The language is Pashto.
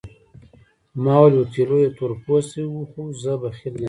ما وویل اوتیلو یو تور پوستی وو خو زه بخیل نه یم.